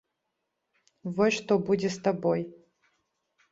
Вось што будзе з табой.